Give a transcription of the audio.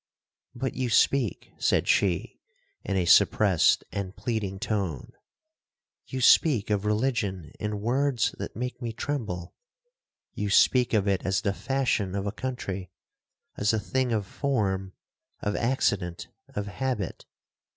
'But you speak,' said she, in a suppressed and pleading tone,—'you speak of religion in words that make me tremble—you speak of it as the fashion of a country,—as a thing of form, of accident, of habit.